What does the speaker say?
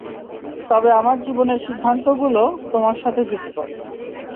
তবে আমার জীবনের সিদ্ধান্তগুলো, তোমার সাথে যুক্ত।